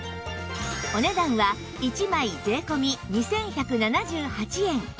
お値段は１枚税込２１７８円